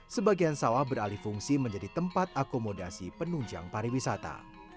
sebagian sawah beralih fungsi menjadi tempat akomodasi penunjang pariwisata